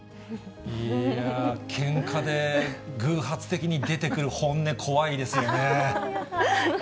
いやー、けんかで偶発的に出てくる本音、怖いですね。